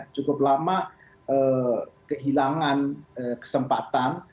cukup lama kehilangan kesempatan